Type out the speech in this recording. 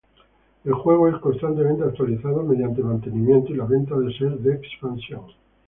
El juego es constantemente actualizado mediante mantenimientos y la venta de sets de expansión.